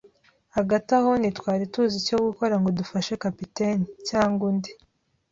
Hagati aho, ntitwari tuzi icyo gukora ngo dufashe kapiteni, cyangwa undi